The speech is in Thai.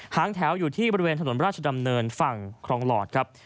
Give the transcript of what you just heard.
หางแถวอยู่ที่บริเวณถนนราชดำเนินฝั่งคลองหลอดครับ